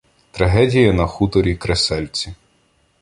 Трагедія на хуторі КресельцІ